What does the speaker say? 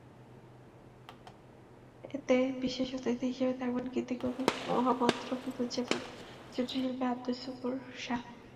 এতে বিশেষ অতিথি হিসেবে থাকবেন গীতিকবি মোহাম্মদ রফিকুজ্জামান, চিত্রশিল্পী আব্দুস শাকুর শাহ।